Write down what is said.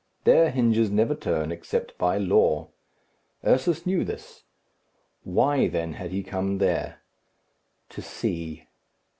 Their hinges never turn except by law. Ursus knew this. Why, then, had he come there? To see.